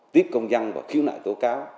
tiếp công dân và khiếu nại tố cáo